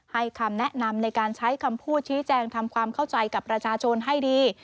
คำแนะนำในการใช้คำพูดชี้แจงทำความเข้าใจกับประชาชนให้ดี